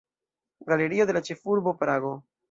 Galerio de la Ĉefurbo Prago.